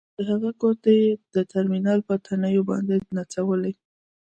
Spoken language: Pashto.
د هغه ګوتې د ټرمینل په تڼیو باندې نڅولې